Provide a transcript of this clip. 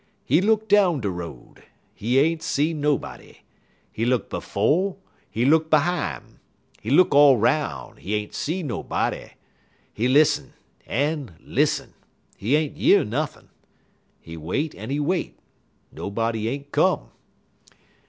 He look down de road; he ain't see nobody. He look befo', he look behime, he look all 'roun'; he ain't see nobody. He lissen, en lissen; he ain't year nothin'. He wait, en he wait; nobody ain't come.